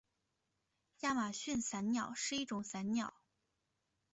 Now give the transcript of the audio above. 亚马逊伞鸟是一种伞鸟。